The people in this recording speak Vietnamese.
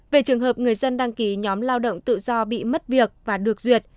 về trường hợp người dân đăng ký nhóm lao động tự do bị mất việc và được duyệt